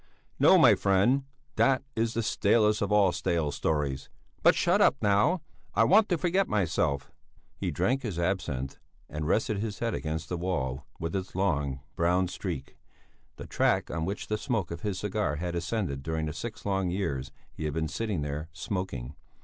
"No, my friend. That is the stalest of all stale stories. But shut up, now! I want to forget myself." He drank his absinth and rested his head against the wall with its long, brown streak, the track on which the smoke of his cigar had ascended during the six long years he had been sitting there, smoking.